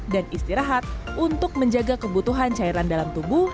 dan istirahat untuk menjaga kebutuhan cairan dalam tubuh